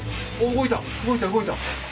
動いた動いた！